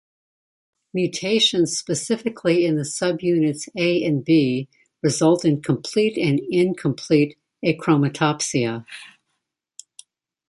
Mutations specifically in the subunits A and B result in complete and incomplete achromatopsia.